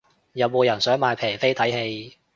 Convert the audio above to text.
有冇人想買平飛睇戲